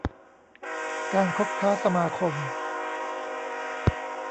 การคบค้าสมาคม